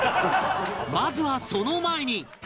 まずはその前に